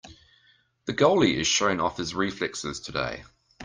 The goalie is showing off his reflexes today.